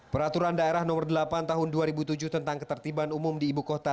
peraturan daerah nomor delapan tahun dua ribu tujuh tentang ketertiban umum di ibu kota